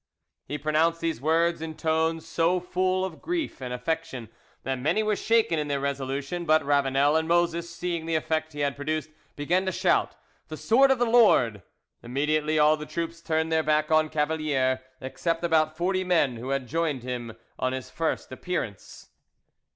He pronounced these words in tones so full of grief and affection that many were shaken in their resolution; but Ravanel and Moses seeing the effect he had produced, began to shout, "The sword of the Lord!" Immediately all the troops turned their back on Cavalier except about forty men who had joined him on his first appearance.